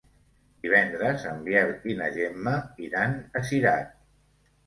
Divendres en Biel i na Gemma iran a Cirat.